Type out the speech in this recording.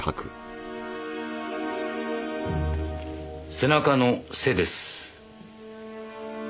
背中の「背」です。